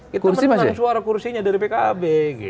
kita mendengar suara kursinya dari pkb